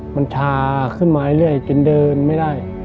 มันทาขึ้นมาเรื่อยจนเดินไม่ได้